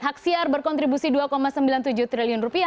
haksiar berkontribusi dua sembilan puluh tujuh triliun rupiah